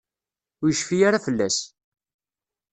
Ur yecfi ara fell-as.